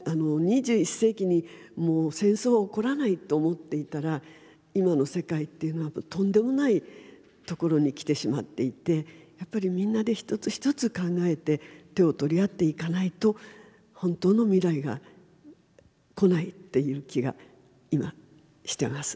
２１世紀にもう戦争は起こらないと思っていたら今の世界っていうのはとんでもないところに来てしまっていてやっぱりみんなで一つ一つ考えて手を取り合っていかないと本当の未来が来ないっていう気が今してます。